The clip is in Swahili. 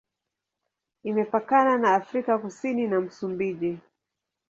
Imepakana na Afrika Kusini na Msumbiji.